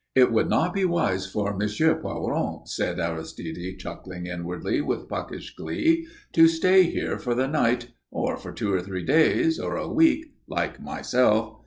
"It would not be wise for M. Poiron," said Aristide, chuckling inwardly with puckish glee, "to stay here for the night or for two or three days or a week like myself.